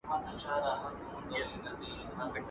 که سترګي ور واوښتې، بيا څنګه وکړو